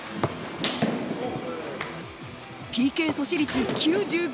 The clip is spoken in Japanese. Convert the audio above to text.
ＰＫ阻止率９５％。